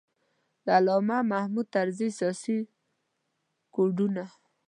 د علامه محمود طرزي سیاسي کوډونه.